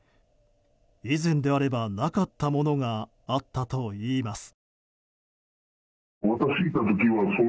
以前であればなかったものがあったといいます。